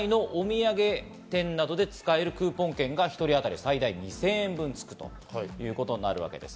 プラス県内のお土産店などで使えるクーポン券が１人あたり最大２０００円分ということになるわけです。